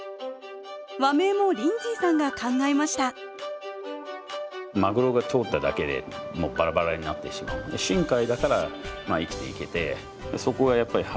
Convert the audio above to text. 和名もリンズィーさんが考えましたマグロが通っただけでもうバラバラになってしまうんで深海だから生きていけておはようございます。